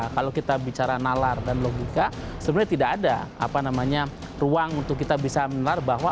kalau kita bicara nalar dan logika sebenarnya tidak ada ruang untuk kita bisa menalar bahwa